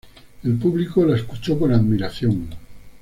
El público la escuchó con admiración.